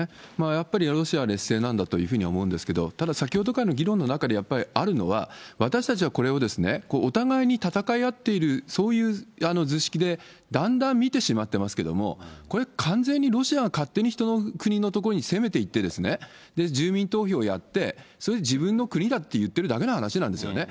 やっぱりロシアは劣勢なんだというふうに思うんですけど、ただ、先ほどからの議論の中でやっぱりあるのは、私たちはこれを、お互いに戦い合っている、そういう図式でだんだん見てしまってますけども、これ、完全にロシアが勝手に人の国の所に攻めていって、住民投票をやって、それで自分の国だって言ってるだけの話なんですよね。